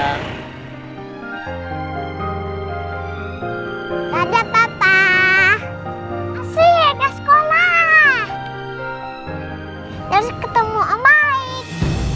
harus ketemu om baik